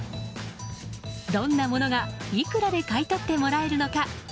どんなものが、いくらで買い取ってもらえるのか。